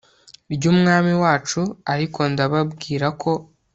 ryu mwami wacu, ariko ndababwira ko